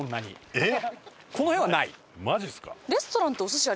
えっ！